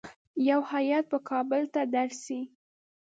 یو هیات به کابل ته درسي.